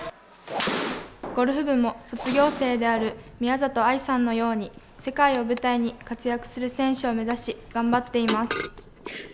ゴルフ部も卒業生である宮里藍さんのように世界を舞台に活躍する選手を目指し頑張っています。